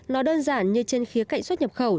nó đơn giản như trên khía cạnh xuất nhập khẩu